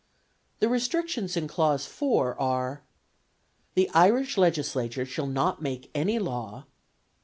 The restrictions in clause 4 are: "The Irish Legislature shall not make any law "(1.)